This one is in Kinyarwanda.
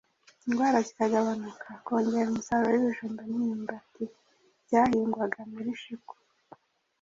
indwara zikagabanuka kongera umusaruro w'ibijumba n'imyumbati byahingwaga muri shiku.